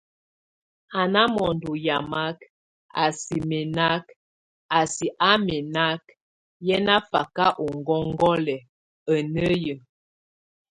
A na mondo yamak, a si mɛnak, a si á mɛnak, yé nafak ó ŋgɔŋgɔlɛk, a néye.